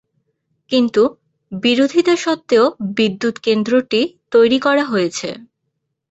কিন্তু বিরোধিতা সত্ত্বেও বিদ্যুত কেন্দ্রটি তৈরি করা হয়েছে।